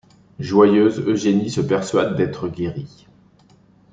Joyeuse, Eugénie se persuade d'être guérie.